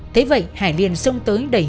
thế vậy hải liền xông tới đẩy hiếu đến hải